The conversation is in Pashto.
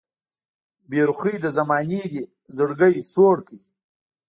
بې رخۍ د زمانې دې زړګی سوړ کړ